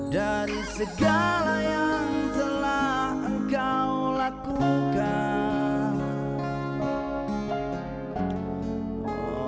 dari segala yang telah engkau lakukan